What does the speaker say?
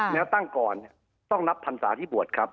แล้วตั้งก่อนต้องนับพันศาที่บวชครับ